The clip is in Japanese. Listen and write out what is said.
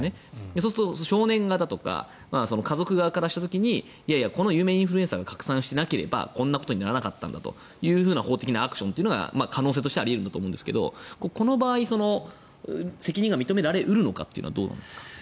そうすると少年側だとか家族側からした時にいやいや、この有名インフルエンサーが拡散しなければこんなことにはならなかったという法的なアクションが考えられますがこの場合、責任が認められ得るのかというのはどうなんですか？